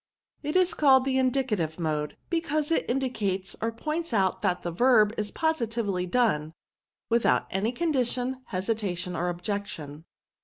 '^ It is called the indicative mode, because it indicates or points out that the verb is positively done, without any condition, hesi tation, or objection."